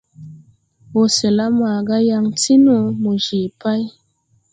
Wɔsɛla maaga yaŋ ti no, mo je pay.